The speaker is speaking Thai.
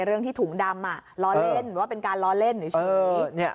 เรื่องที่ถุงดำล้อเล่นว่าเป็นการล้อเล่นเฉย